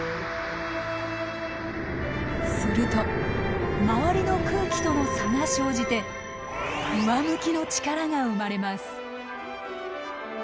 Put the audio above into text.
すると周りの空気との差が生じて上向きの力が生まれます。